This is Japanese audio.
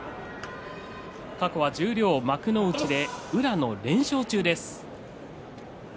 過去は十両、幕内で宇良の連勝中です。